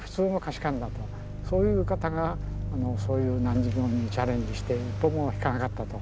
そういう方がそういう難事業にチャレンジして一歩も引かなかったと。